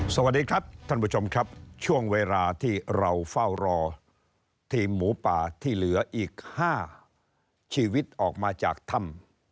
สวัสดีครับท่านผู้ชมครับช่วงเวลาที่เราเฝ้ารอทีมหมูป่าที่เหลืออีก๕ชีวิตออกมาจากถ้ำ